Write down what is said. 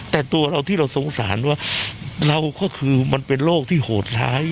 แต่ตัวเราที่เราสงสารว่าเราก็คือมันเป็นโรคที่โหดร้าย